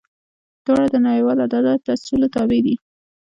دواړه د نړیوال عدالت اصولو تابع دي.